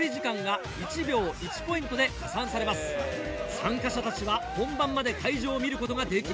参加者たちは本番まで会場を見ることができません。